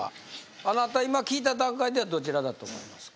あなた今聴いた段階ではどちらだと思いますか？